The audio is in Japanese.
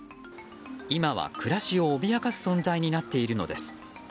今は暮らしを脅かす存在になっているのです。